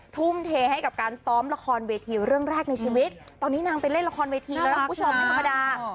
ทุ่มเทให้กับการซ้อมละครเวทีเรื่องแรกในชีวิตตอนนี้นางไปเล่นละครเวทีแล้วคุณผู้ชมไม่ธรรมดา